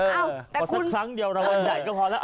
เอ้าแต่คุณขอสักครั้งเดียวรางวัลใหญ่ก็พอแล้ว